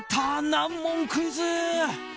難問クイズ。